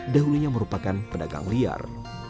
dahulunya merupakan pedagang liar